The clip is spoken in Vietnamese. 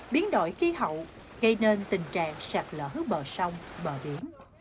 biến đổi khí hậu gây nên tình trạng sạt lỡ bờ sông bờ biển